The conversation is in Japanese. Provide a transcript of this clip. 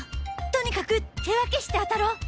とにかく手分けして当たろ！